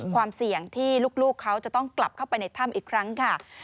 ความเสี่ยงที่ลูกเขาจะต้องกลับเข้าไปในถ้ำอีกครั้งค่ะ